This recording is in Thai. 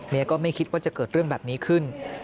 ก็ไม่คิดว่าจะเกิดเรื่องแบบนี้ขึ้น